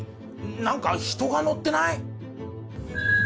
なんか人が乗ってない？